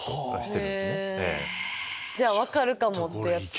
じゃあ分かるかも！ってやつか。